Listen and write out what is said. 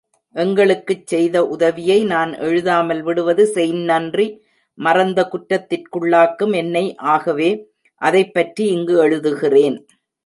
எங்களுக்குச் செய்த உதவியை, நான் எழுதாமல் விடுவது, செய்ந்நன்றி மறந்த குற்றத்திற்குள்ளாக்கும் என்னை ஆகவே அதைப்பற்றி இங்கு எழுதுகிறேன்.